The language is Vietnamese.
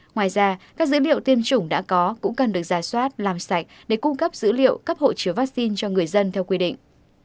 ngoài ra các dữ liệu tiêm chủng đã có cũng cần được ra soát làm sạch để cung cấp dữ liệu cấp hộ chiếu vaccine cho người dân theo quy định